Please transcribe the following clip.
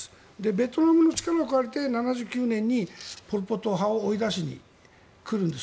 ベトナムの力を借りて７９年にポル・ポト派を追い出しに来るんです。